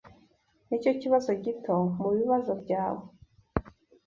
Nicyo kibazo gito mubibazo byawe.